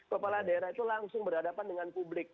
kepala daerah itu langsung berhadapan dengan publik